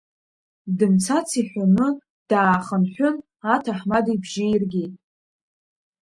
Дымцац иҳәоны даахынҳәын, аҭаҳмада ибжьы иргеит…